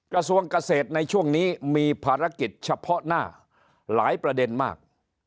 กระทรวงเกษตรในช่วงนี้มีภารกิจเฉพาะหน้าหลายประเด็นมาก